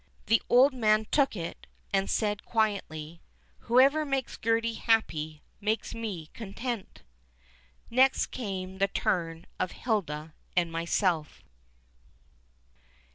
The old man took it and said quietly: "Whoever makes Gertie happy makes me content." Next came the turn of Hilda and myself.